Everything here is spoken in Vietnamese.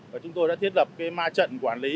và chúng tôi đã thiết lập cái ma trận quản lý